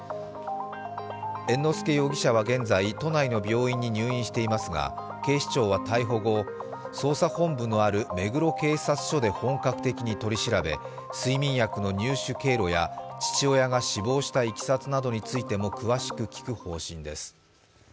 猿之助容疑者は現在、都内の病院に入院していますが警視庁は逮捕後、捜査本部のある目黒警察署で本格的に取り調べ睡眠薬の入手経路や父親が死亡したいきさつなどについても詳しく聞く方針です。